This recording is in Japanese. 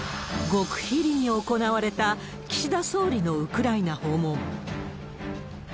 極秘裏に行われた岸田総理のウクライナ訪問。